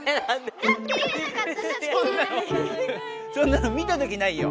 そんなの見たときないよ。